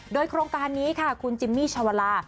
โดยโครงการนี้ค่ะคุณจิมมี่ชาวลา